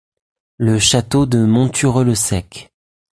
Le château de Monthureux-le-Sec.